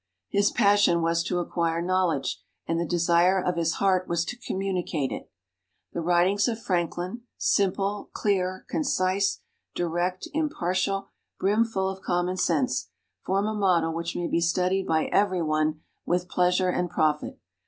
His passion was to acquire knowledge, and the desire of his heart was to communicate it. The writings of Franklin simple, clear, concise, direct, impartial, brimful of commonsense form a model which may be studied by every one with pleasure and profit.